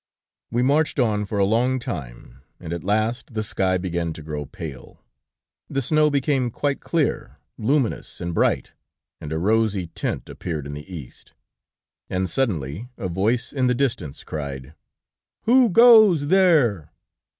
We marched on for a long time, and at last the sky began to grow pale. The snow became quite clear, luminous and bright, and a rosy tint appeared in the East, and suddenly a voice in the distance cried: "'Who goes there?'"